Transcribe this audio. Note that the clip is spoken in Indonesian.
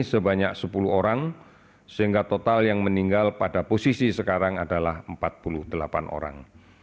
sebanyak sepuluh orang sehingga total yang meninggal pada posisi sekarang adalah empat puluh delapan orang